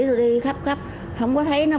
tôi đi khắp khắp không có thấy nó bỏ